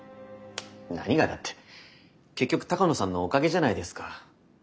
何がだって結局鷹野さんのおかげじゃないですか。